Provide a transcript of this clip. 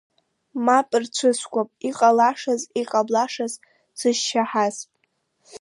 Мап рцәыскуам иҟалашаз, иҟамлашаз сызшьаҳаз.